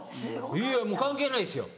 いやもう関係ないですよ。